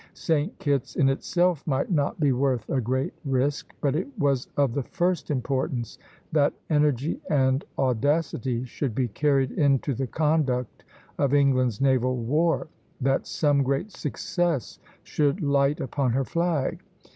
St. Kitt's in itself might not be worth a great risk; but it was of the first importance that energy and audacity should be carried into the conduct of England's naval war, that some great success should light upon her flag.